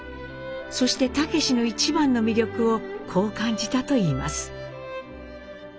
そして武司の一番の魅力をこう感じたといいます。